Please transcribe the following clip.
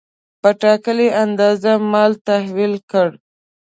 په ټاکلې اندازه مال تحویل کړ.